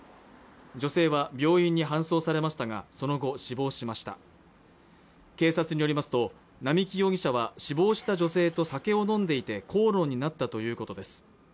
女性は病院に搬送されましたがその後死亡しました警察によりますと並木容疑者は死亡した女性と酒を飲んでいて口論になったということです